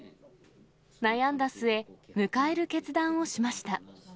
悩んだ末、迎える決断をしました。